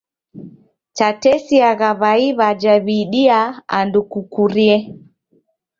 Chatesiagha w'ai w'aja w'iidiaa andu kukurie.